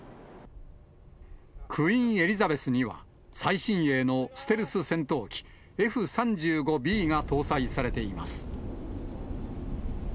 クイーン・エリザベスには、最新鋭のステルス戦闘機Ｆー３５Ｂが搭載されています。